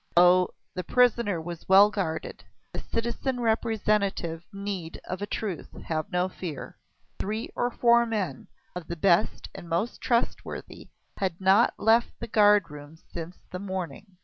Oh! the prisoner was well guarded! The citizen Representative need, of a truth, have no fear! Three or four men of the best and most trustworthy had not left the guard room since the morning.